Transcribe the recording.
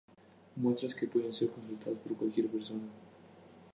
muestras que pueden ser consultadas por cualquier persona